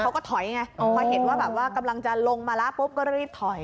เขาก็ถอยไงพอเห็นว่าแบบว่ากำลังจะลงมาแล้วปุ๊บก็รีบถอย